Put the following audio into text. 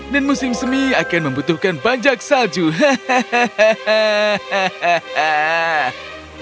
dan musim semi akan membutuhkan banjak salju hahaha